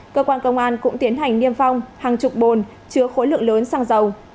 cơ quan công an cũng tiến hành niêm phong hàng chục bồn chứa khối lượng lớn xăng dầu